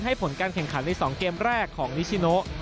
ผลการแข่งขันใน๒เกมแรกของนิชิโน